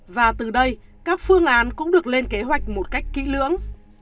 và từ đây các phương án cũng được lên kế hoạch một cách kỹ lưỡng